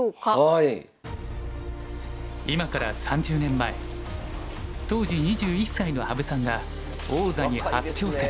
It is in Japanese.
今から３０年前当時２１歳の羽生さんが王座に初挑戦。